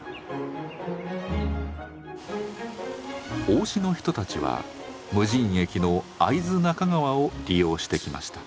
大志の人たちは無人駅の会津中川を利用してきました。